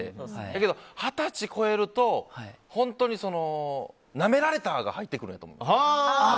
だけど二十歳超えると本当に、なめられたが入ってくるんだと思います。